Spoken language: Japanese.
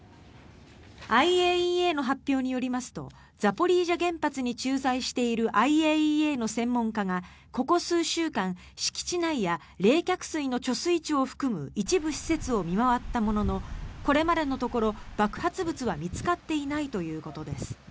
ＩＡＥＡの発表によりますとザポリージャ原発に駐在しているＩＡＥＡの専門家がここ数週間敷地内や冷却水の貯水池を含む一部施設を見回ったもののこれまでのところ爆発物は見つかっていないということです。